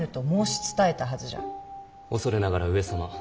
恐れながら上様。